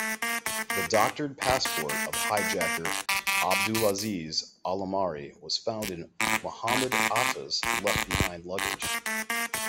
The doctored passport of hijacker Abdulaziz Alomari was found in Mohamed Atta's left-behind luggage.